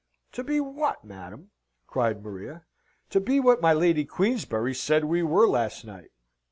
"To be what, madam?" cried Maria. "To be what my Lady Queensberry said we were last night.